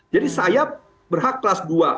jadi saya berhak kelas dua